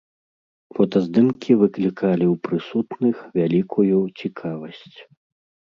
Фотаздымкі выклікалі ў прысутных вялікую цікавасць.